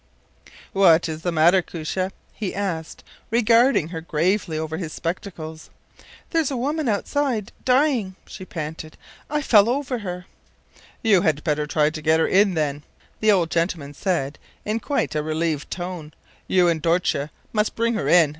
“What is the matter, Koosje?” he asked, regarding her gravely over his spectacles. “There’s a woman outside dying,” she panted, “I fell over her.” “You had better try to get her in then,” the old gentleman said, in quite a relieved tone. “You and Dortje must bring her in.